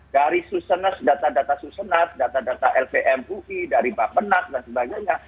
dari susunan data data susunan data data lpm pui dari bapenat dan sebagainya